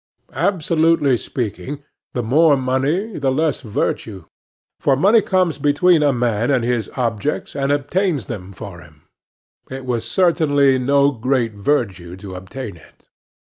Absolutely speaking, the more money, the less virtue; for money comes between a man and his objects, and obtains them for him; it was certainly no great virtue to obtain it.